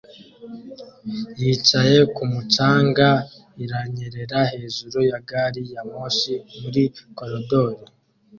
Yicaye kumu canga er iranyerera hejuru ya gari ya moshi muri koridor